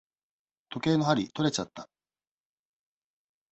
時計の針とれちゃった。